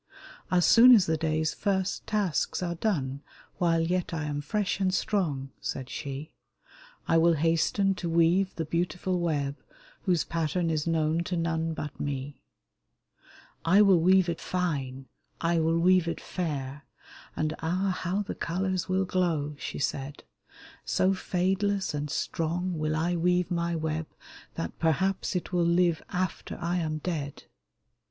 " As soon as the day's first tasks are done, While yet I am fresh and strong," said she, *' I will hasten to weave the beautiful web Whose pattern is known to none but me !" I will weave it fine, I will weave it fair, And ah! how the colors will glow! " she said ;" So fadeless and strong will I weave my web That perhaps it will live after I am dead."